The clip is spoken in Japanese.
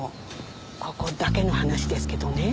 ここだけの話ですけどね。